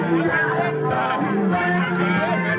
พระเจ้าแผ่นดิน